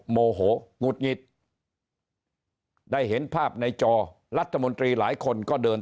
โมโหงุดหงิดได้เห็นภาพในจอรัฐมนตรีหลายคนก็เดิน